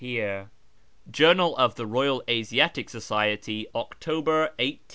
^ Journal of the Eoyal Asiatic Society, October 1889, p.